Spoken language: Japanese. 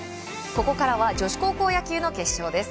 ここからは女子高校野球の決勝です。